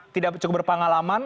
tidak cukup berpengalaman